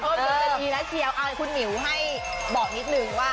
เออเป็นทีละเชียวคุณหมิวให้บอกนิดนึงว่า